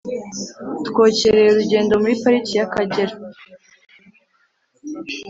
Twokereye urugendo muri parike ya kagera